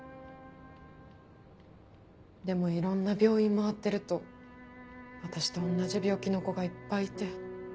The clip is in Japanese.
でもいろんな病院回ってると私とおんなじ病気の子がいっぱいいて。